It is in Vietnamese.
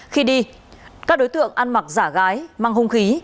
khi đi các đối tượng ăn mặc giả gái mang hung khí